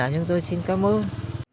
chúng tôi xin cảm ơn